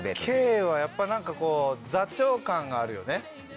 圭はやっぱり何かこう座長感があるよね。